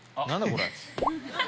これ。